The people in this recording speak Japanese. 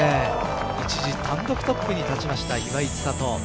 一時単独トップに立ちました岩井千怜。